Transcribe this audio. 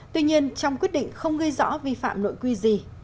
tuy nhiên trong quyết định không gây rõ vi phạm nội quy gì